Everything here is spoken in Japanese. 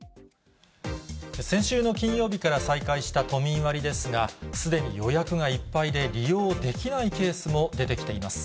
先週の金曜日から再開した都民割ですが、すでに予約がいっぱいで利用できないケースも出てきています。